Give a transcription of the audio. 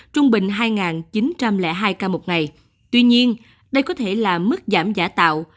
trung bình hai chín trăm linh hai ca một ngày tuy nhiên đây có thể là mức giảm giả tạo